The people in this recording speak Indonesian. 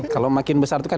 kalau makin besar itu kan